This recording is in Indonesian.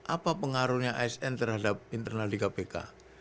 apa pengaruhnya asn terhadap internal di kpk